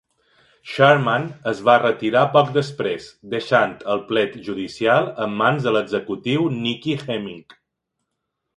Sharman es va retirar poc després, deixant el plet judicial en mans de l"executiu Nikki Hemming.